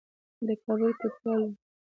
د کابل کوټوال وو.